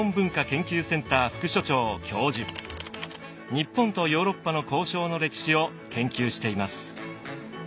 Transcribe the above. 日本とヨーロッパの交渉の歴史を研究しています。